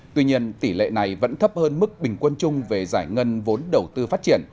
tuy nhiên tỷ lệ này vẫn thấp hơn mức bình quân chung về giải ngân vốn đầu tư phát triển